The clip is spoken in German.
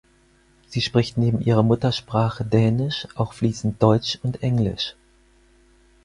Sie spricht neben ihrer Muttersprache Dänisch auch fließend Deutsch und Englisch.